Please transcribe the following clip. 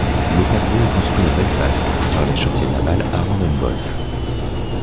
Le paquebot est construit à Belfast par les chantiers navals Harland & Wolff.